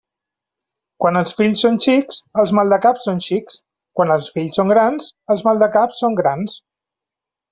Quan els fills són xics, els maldecaps són xics; quan els fills són grans, els maldecaps són grans.